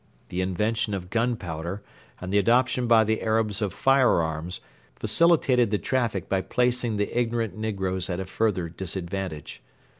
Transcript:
The invention of gunpowder and the adoption by the Arabs of firearms facilitated the traffic by placing the ignorant negroes at a further disadvantage.